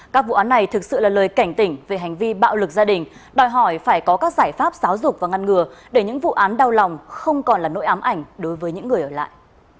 các vụ án này thực sự là lời cảnh tỉnh về hành vi bạo lực gia đình đòi hỏi phải có các giải pháp giáo dục và ngăn ngừa để những vụ án đau lòng không còn là nỗi ám ảnh đối với những người ở lại